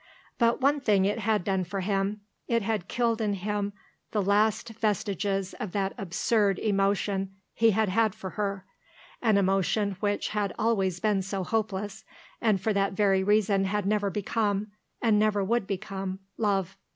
But one thing it had done for him; it had killed in him the last vestiges of that absurd emotion he had had for her, an emotion which had always been so hopeless, and for that very reason had never become, and never would become, love.